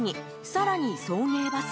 更に、送迎バス。